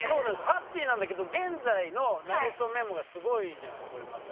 ハッピーなんだけど現在の「なれそメモ」がすごいじゃないこれまた。